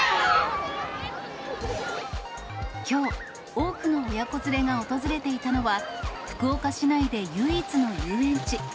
きょう、多くの親子連れが訪れていたのは、福岡市内で唯一の遊園地。